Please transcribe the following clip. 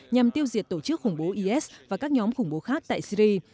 nhằm tiêu diệt tổ chức khủng bố is và các nhóm khủng bố khác tại syri